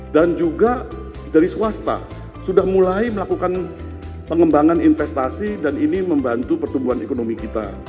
dan juga dari swasta sudah mulai melakukan pengembangan investasi dan ini membantu pertumbuhan ekonomi kita